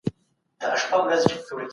حضوري ټولګي د ملګرو اړيکي پياوړې کړي دي.